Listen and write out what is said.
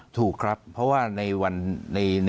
ถูกครับเพราะว่าในวัน